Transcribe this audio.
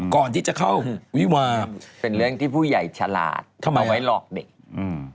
ก่อนที่จะเข้าวิวาเป็นเรื่องที่ผู้ใหญ่ฉลาดเข้ามาไว้หลอกเด็กอืม